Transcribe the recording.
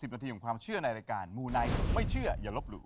นาทีของความเชื่อในรายการมูไนท์ไม่เชื่ออย่าลบหลู่